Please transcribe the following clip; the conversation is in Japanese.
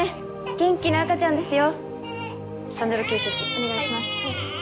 元気な赤ちゃんですよ。